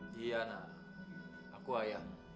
giana aku ayah